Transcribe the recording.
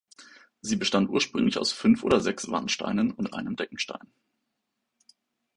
Sie bestand ursprünglich aus fünf oder sechs Wandsteinen und einem Deckstein.